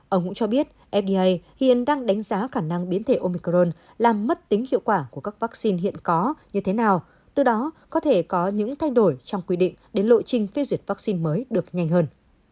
ông cũng cho biết fda hiện đang đánh giá khả năng biến thể omicron làm mất tính hiệu quả của các vaccine hiện có như thế nào từ đó có thể có những thay đổi trong quy định đến lộ trình phê duyệt vaccine mới được nhanh hơn